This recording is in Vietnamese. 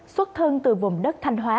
xuất thân từ vùng đất thanh hóa